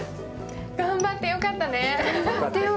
頑張ってよかったね。